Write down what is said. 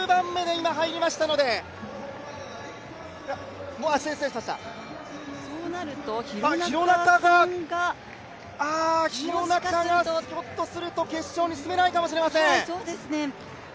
田中希実が９番目で今、入りましたので廣中がひょっとすると決勝に進めないかもしれません。